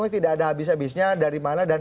tidak ada habis habisnya dari mana dan